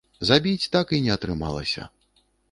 Забіць так і не атрымалася.